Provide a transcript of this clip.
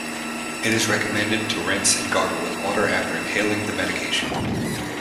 It is recommended to rinse and gargle with water after inhaling the medication.